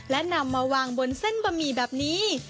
และนำมาวางบนเส้นบะหมี่แบบนี้